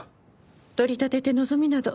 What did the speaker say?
取り立てて望みなど。